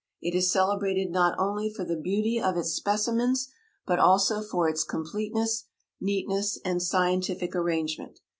It is celebrated not only for the beauty of its specimens, but also for its completeness, neatness, and scientific arrangement.